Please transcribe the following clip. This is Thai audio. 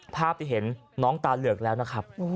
ภาพที่เห็นน้องตาเหลือกแล้วนะครับ